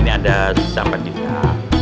ini ada sisa pedita